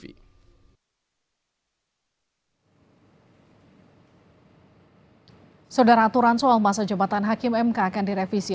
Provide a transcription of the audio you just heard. saudara aturan soal masa jabatan hakim mk akan direvisi